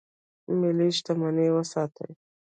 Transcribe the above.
ملي شتمني وساتئ